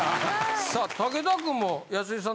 さあ武田君も安井さん